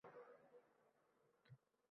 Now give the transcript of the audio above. Biz endi tamoman begonamiz